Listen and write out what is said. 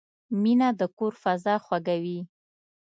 مینه د کور فضا خوږوي.